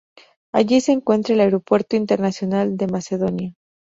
Allí se encuentra el Aeropuerto Internacional de Macedonia.